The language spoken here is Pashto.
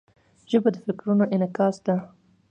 ژبه د فکرونو انعکاس ده.